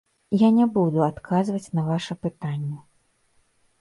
Я не буду адказваць на ваша пытанне.